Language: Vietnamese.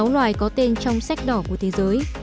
một trăm linh sáu loài có tên trong sách đỏ của thế giới